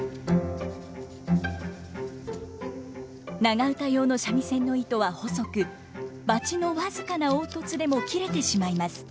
長唄用の三味線の糸は細くバチの僅かな凹凸でも切れてしまいます。